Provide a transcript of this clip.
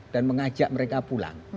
dan mengajak mereka pulang